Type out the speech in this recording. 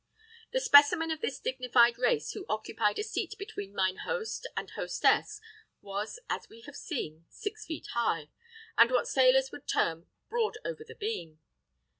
The specimen of this dignified race who occupied a seat between mine host and hostess was, as we have seen, six feet high, and what sailors would term broad over the beam.